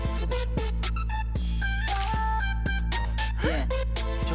えっ⁉